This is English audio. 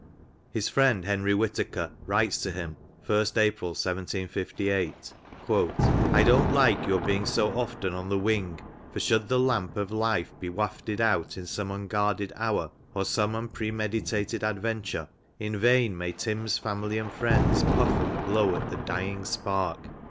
His friend Henry Whitaker writes to him (1st April 1768) :" I ^ don''t like your being so often on the wing, for should the lamp of ^ life be wafted out in some unguarded hour or some unpremeditated *' adventure, in vain may Tim^^s family and friends puff and blow at ' the dying spark.